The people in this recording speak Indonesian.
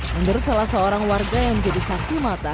menurut salah seorang warga yang menjadi saksi mata